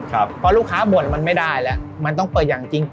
แล้วเปลี่ยนความชอบมาเป็นอาชีพ